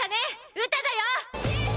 ウタだよ」